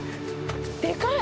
でかい。